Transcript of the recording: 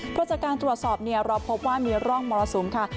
เพราะจากการตรวจสอบเราพบว่ามีร่องมรสุมค่ะ